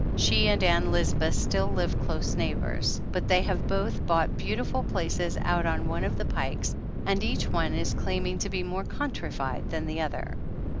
She and Ann Lisbeth still live close neighbors, but they have both bought beautiful places out on one of the pikes and each one is claiming to be more countrified than the other.